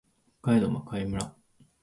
北海道真狩村